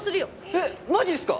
えっマジっすか？